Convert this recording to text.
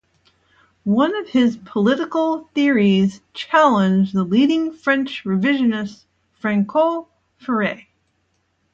One of his political theories challenged the leading French revisionist Francois Furet.